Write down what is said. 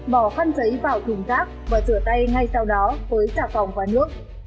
bỏ khăn tấy vào thùng tác và rửa tay ngay sau đó với tạp phòng và nước